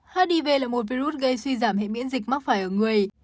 hiv là một virus gây suy giảm hệ miễn dịch mắc phải ở người